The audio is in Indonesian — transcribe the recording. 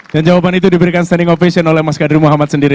dan jawaban itu diberikan standing ovation oleh mas kadri muhammad sendiri